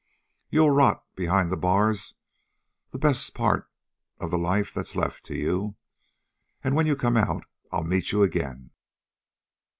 You'll rot behind the bars the best part of the life that's left to you. And when you come out I'll meet you ag'in!"